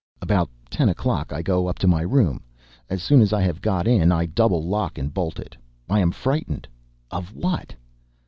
About ten o'clock I go up to my room. As soon as I have got in I double lock, and bolt it: I am frightened of what?